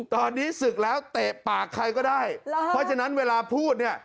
ตอนนี้ศึกแล้วเตะปากใครก็ได้เพราะฉะนั้นเวลาพูดเนี่ย